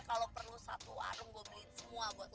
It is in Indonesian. kalau perlu satu